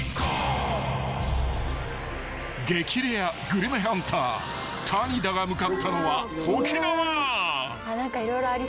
［激レアグルメハンター谷田が向かったのは］